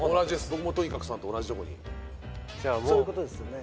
僕もトニカクさんと同じとこにじゃあもうそういうことですよね